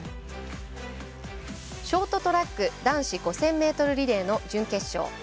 ショートトラック男子５０００ｍリレーの準決勝